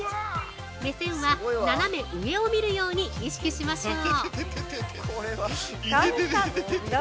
目線は斜め上を見るように意識しましょう。